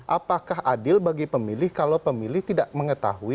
apakah adil bagi pemilih kalau pemilih tidak mengetahui